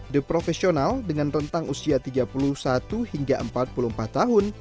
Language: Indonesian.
the profesional dengan rentang usia tiga puluh satu hingga empat puluh empat tahun